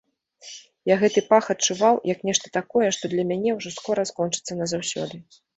Я гэты пах адчуваў, як нешта такое, што для мяне ўжо скора скончыцца назаўсёды.